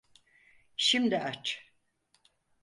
Şimdi aç.